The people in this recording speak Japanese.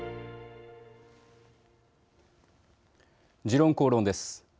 「時論公論」です。